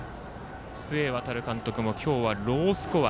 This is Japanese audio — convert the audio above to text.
須江航監督も今日はロースコア